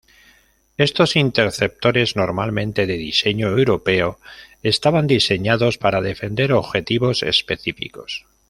Estos interceptores, normalmente de diseño europeo, estaban diseñados para defender objetivos específicos.